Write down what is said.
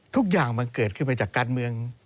ทุกอย่างมันเกิดขึ้นมาจากการเมือง